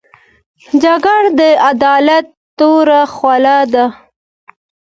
جګړه د عدالت توره خوله ده